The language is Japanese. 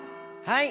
はい！